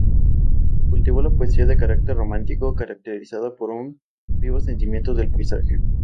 Cultivó la poesía de carácter romántico, caracterizada por un vivo sentimiento del paisaje.